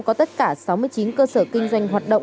có tất cả sáu mươi chín cơ sở kinh doanh hoạt động